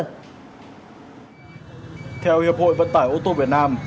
theo hiệp hội vận tải ô tô việt nam